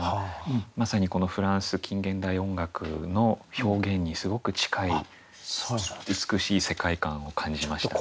まさにこのフランス近現代音楽の表現にすごく近い美しい世界観を感じました。